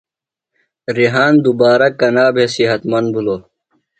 ریحان دُبارہ کنا بھےۡ صحت مند بِھلوۡ؟